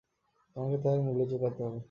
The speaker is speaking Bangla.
তোমাকে তার মূল্য চুকাতে হবে।